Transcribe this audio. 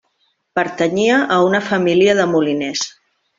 Pertanyia a una família de moliners.